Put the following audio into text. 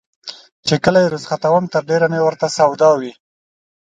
چې کله یې رخصتوم تر ډېره مې ورته سودا وي.